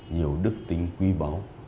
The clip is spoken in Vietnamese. nhiều đức tính quý báu